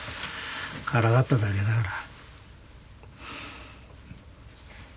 からかっただけだから。